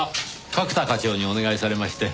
角田課長にお願いされまして。